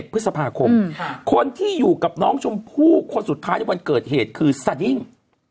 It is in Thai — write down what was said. พฤษภาคมคนที่อยู่กับน้องชมพู่คนสุดท้ายในวันเกิดเหตุคือสดิ้ง